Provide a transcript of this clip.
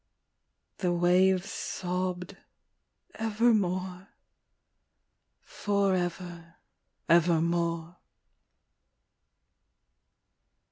The waves sobbed, " Evermore," forever evermore.